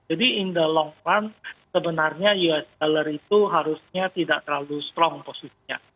jadi in the long run sebenarnya us dollar itu harusnya tidak terlalu strong posisinya